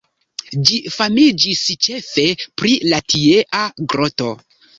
Ĝi famiĝis ĉefe pri la tiea groto.